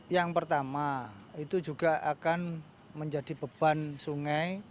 yang pertama itu juga akan menjadi beban sungai